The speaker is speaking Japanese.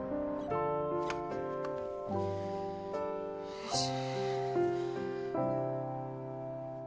よし。